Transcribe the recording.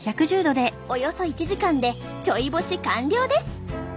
およそ１時間でちょい干し完了です。